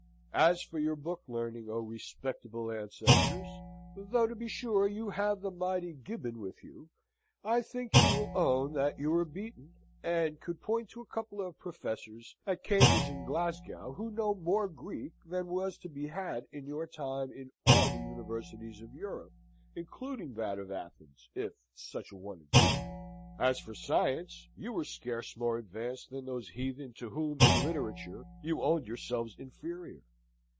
As for your book learning, O respectable ancestors (though, to be sure, you have the mighty Gibbon with you), I think you will own that you are beaten, and could point to a couple of professors at Cambridge and Glasgow who know more Greek than was to be had in your time in all the universities of Europe, including that of Athens, if such an one existed. As for science, you were scarce more advanced than those heathen to whom in literature you owned yourselves inferior.